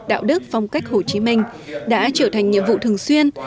đạo đức phong cách hồ chí minh đã trở thành nhiệm vụ thường xuyên